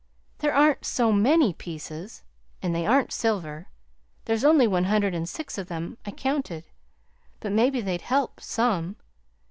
There aren't so MANY pieces, and they aren't silver. There's only one hundred and six of them; I counted. But maybe they 'd help some.